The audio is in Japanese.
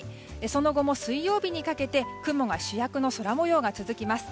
その後も水曜日にかけて雲が主役の空模様が続きます。